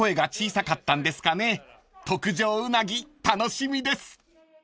［特上ウナギ楽しみです］